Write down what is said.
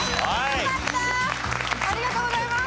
ありがとうございます。